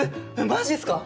マジっすか？